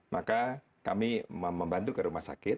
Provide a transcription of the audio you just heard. maka kami membantu ke rumah sakit